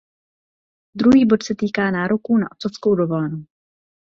Druhý bod se týká nároků na otcovskou dovolenou.